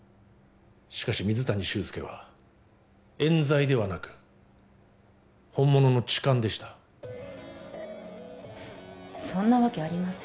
しかし水谷秀介は冤罪ではなく本物の痴漢でしたそんなわけありません